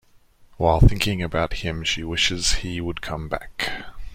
While thinking about him, she wishes he would come back.